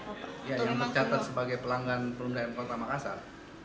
ya yang tercatat sebagai pelanggan perundaan kota makassar